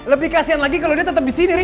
lebih kasian lagi kalau dia tetep disini ri